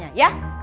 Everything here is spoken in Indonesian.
nanti aku jalan